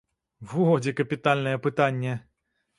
Во, дзе капітальнае пытанне!